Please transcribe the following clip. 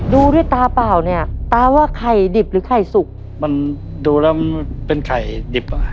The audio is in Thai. ดูด้วยตาเปล่าเนี่ยตาว่าไข่ดิบหรือไข่สุกมันดูแล้วมันเป็นไข่ดิบอ่ะ